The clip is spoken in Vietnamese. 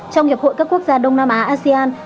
trong hiệp hội các quốc gia đông nam á asean